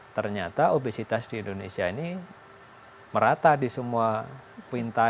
ternyata obesitas di indonesia ini merata di semua pintu